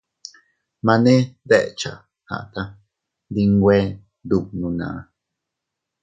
Mane deʼecha aʼa taa ndi nwe ndubnuna.